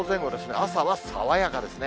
朝は爽やかですね。